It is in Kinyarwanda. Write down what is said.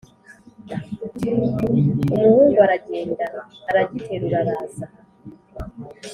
umuhungu aragenda aragiterura araza,